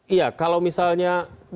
iya kalau misalnya